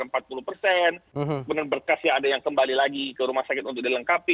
dengan berkas ya ada yang kembali lagi ke rumah sakit untuk dilengkapi